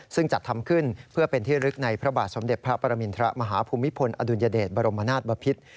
ซึ่งจัดทำขึ้นเพื่อเป็นที่ลึกในพระบาทสมเด็จพระปรมินทรมาฮภูมิพลอดุลยเดชบรมนาศบพิษ